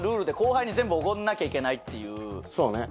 そうね